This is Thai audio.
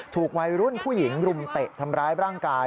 ถูกวัยรุ่นผู้หญิงรุมเตะทำร้ายร่างกาย